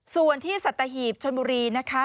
ส่วนที่สัตหีบชนบุรีนะคะ